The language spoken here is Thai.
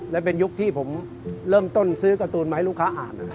และเป็นยุคที่ผมเริ่มต้นซื้อการ์ตูนมาให้ลูกค้าอ่านนะครับ